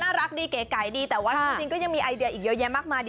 รักดีเก๋ไก่ดีแต่ว่าจริงก็ยังมีไอเดียอีกเยอะแยะมากมายดี